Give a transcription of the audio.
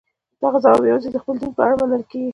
دغه ځواب یوازې د خپل دین په اړه منل کېږي.